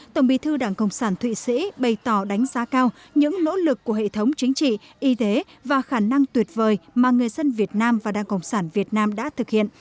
tổng bí thư đảng cộng sản thụy sĩ bày tỏ đánh giá cao những nỗ lực của hệ thống chính trị y tế và khả năng tuyệt vời mà người dân việt nam và đảng cộng sản việt nam đã thực hiện